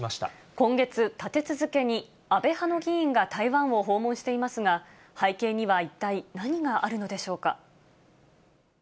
今月、立て続けに安倍派の議員が台湾を訪問していますが、背景には一体何があるのでしょうか。